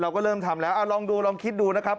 เราก็เริ่มทำแล้วลองดูลองคิดดูนะครับ